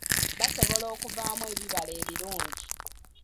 Basobola okuvaamu ebibala ebirungi.